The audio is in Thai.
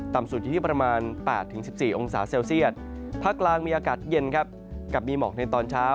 สุดอยู่ที่ประมาณ๘๑๔องศาเซลเซียตภาคกลางมีอากาศเย็นครับกับมีหมอกในตอนเช้า